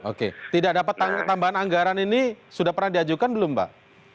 oke tidak dapat tambahan anggaran ini sudah pernah diajukan belum mbak